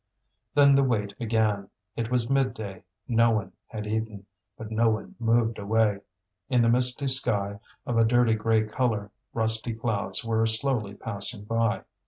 Then the wait began. It was midday; no one had eaten, but no one moved away. In the misty sky, of a dirty grey colour, rusty clouds were slowly passing by.